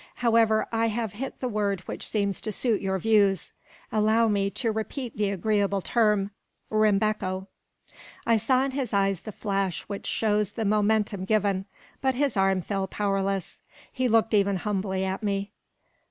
However, I have hit the word which seems to suit your views. Allow me to repeat the agreeable term, 'Rimbecco.'" I saw in his eyes the flash which shows the momentum given, but his arm fell powerless. He looked even humbly at me.